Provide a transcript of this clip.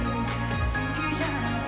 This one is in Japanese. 「「好きじゃない？」